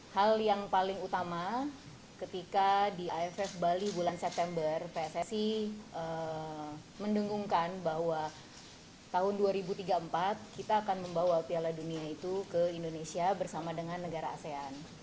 hal yang paling utama ketika di iff bali bulan september pssi mendengungkan bahwa tahun dua ribu tiga puluh empat kita akan membawa piala dunia itu ke indonesia bersama dengan negara asean